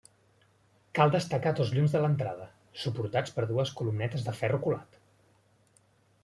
Cal destacar dos llums de l'entrada, suportats per dues columnetes de ferro colat.